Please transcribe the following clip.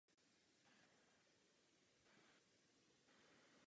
Jejich složení se lišilo.